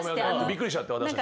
びっくりしちゃって私たちも。